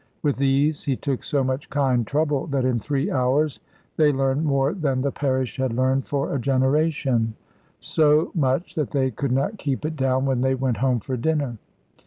With these he took so much kind trouble, that in three hours they learned more than the parish had learned for a generation; so much that they could not keep it down when they went home for dinner.